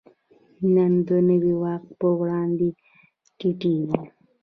نن د نوي واک په وړاندې ټیټېږي.